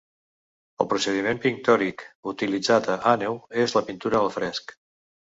El procediment pictòric utilitzat a Àneu és la pintura al fresc.